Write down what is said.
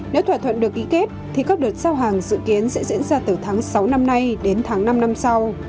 nếu thỏa thuận được ký kết thì các đợt giao hàng dự kiến sẽ diễn ra từ tháng sáu năm nay đến tháng năm năm sau